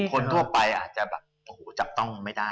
คนทั่วไปอะเธอจะอู้โหจับต้องไม่ได้